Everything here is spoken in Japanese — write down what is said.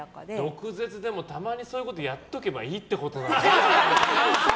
毒舌でもたまにそういうことやっておけばいいってことなのか。